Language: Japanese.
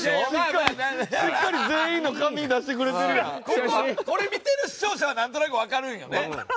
こここれ見てる視聴者はなんとなくわかるんよね多分。